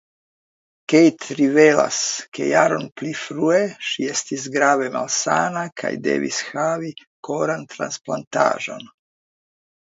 Kate rivelas ke jaron pli frue ŝi estis grave malsana kaj devis havi kortransplantaĵon.